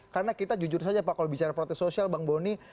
karena kita jujur saja pak kalau bicara protes sosial bang boni